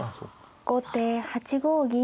後手８五銀。